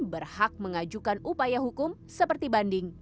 berhak mengajukan upaya hukum seperti banding